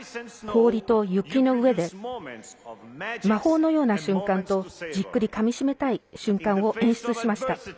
氷と雪の上で魔法のような瞬間とじっくりかみしめたい瞬間を演出しました。